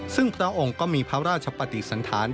ซึ่งพระองค์ก็มีพระราชปฏิสันธาร